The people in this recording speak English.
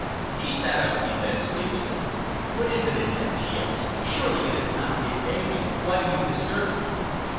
She sat up in bed sleepily. "What is it, Annette?" she asked. "Surely it is not mid day yet? Why do you disturb me?"